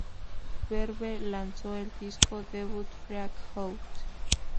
Verve lanzó el disco debut Freak Out!